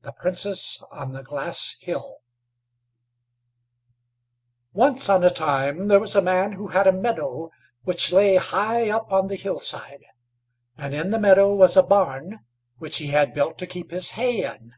THE PRINCESS ON THE GLASS HILL Once on a time there was a man who had a meadow, which lay high up on the hill side, and in the meadow was a barn, which he had built to keep his hay in.